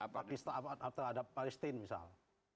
pakistan terhadap palestine misal